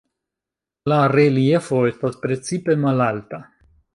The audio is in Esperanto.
La "reliefo" estas precipe malalta.